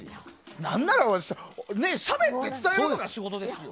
何なら、しゃべって伝えるのが仕事ですよ。